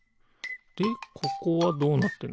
でここはどうなってるのかな？